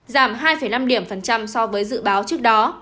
giảm hai năm điểm phần trăm so với dịch vụ